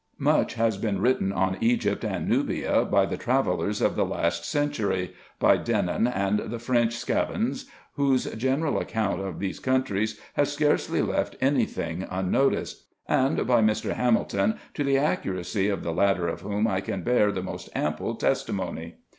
Much has been written on Egypt and Nubia by the travellers of the last century, by Denon, and the French spavans, whose general account of these countries has scarcely left any thing unnoticed ; and by Mr. Hamilton, to the accuracy of the latter of whom I can bear the most ample testimony.